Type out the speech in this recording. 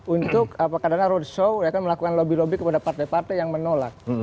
untuk kadang kadang roadshow melakukan lobby lobby kepada partai partai yang menolak